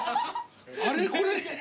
あれこれ。